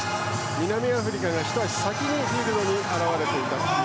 南アフリカが一足先にフィールドに現れています